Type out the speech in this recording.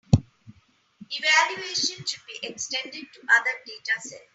Evaluation should be extended to other datasets.